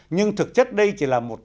nhưng thực chất đây chỉ là một